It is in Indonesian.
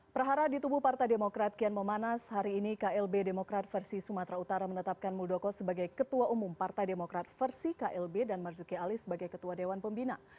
prahara di tubuh partai demokrat kian memanas hari ini klb demokrat versi sumatera utara menetapkan muldoko sebagai ketua umum partai demokrat versi klb dan marzuki ali sebagai ketua dewan pembina